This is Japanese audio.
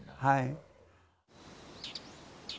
はい。